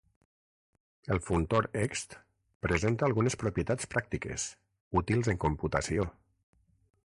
El functor Ext presenta algunes propietats pràctiques, útils en computació.